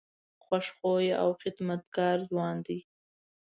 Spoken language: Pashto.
خوش خویه او خدمتګار ځوان دی.